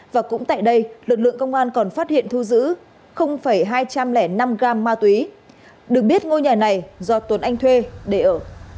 và cũng tại đây lực lượng công an còn phát hiện thu giữ hai trăm linh năm gram ma túy được biết ngôi nhà này do tuấn anh thuê để ở